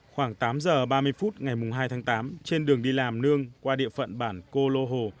khoảng tám giờ ba mươi phút ngày hai tháng tám trên đường đi làm nương qua địa phận bản cô lô